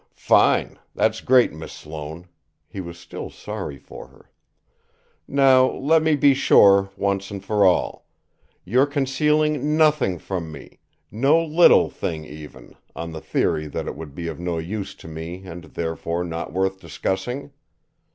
"Fine! That's great, Miss Sloane!" He was still sorry for her. "Now, let me be sure, once for all: you're concealing nothing from me, no little thing even, on the theory that it would be of no use to me and, therefore, not worth discussing?